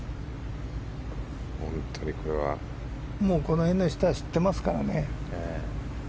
この辺の人たちは知ってますからね。